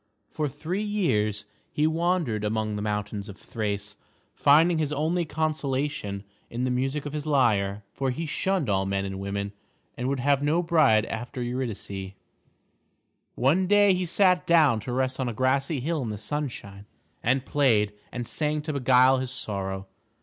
For three years he wandered among the mountains of Thrace, finding his only consolation in the music of his lyre, for he shunned all men and women and would have no bride after Eurydice. One day he sat down to rest on a grassy hill in the sunshine, and played and sang to beguile his sorrow.